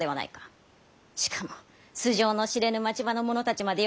しかも素性の知れぬ町場の者たちまで呼び入れ。